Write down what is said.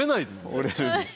折れるんです。